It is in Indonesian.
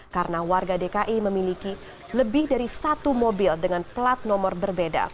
karena warga dki memiliki lebih dari satu mobil dengan pelat nomor berbeda